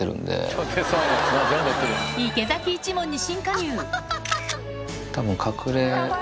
池崎一門に新加入たぶん。